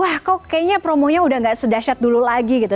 wah kok kayaknya promonya udah gak sedahsyat dulu lagi gitu